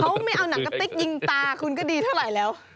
เขาไม่เอาหนังกะติ๊กยิงตาคุณก็ดีเท่าไหร่แล้ว